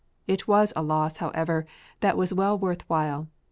It was a loss, however, that was well worth while.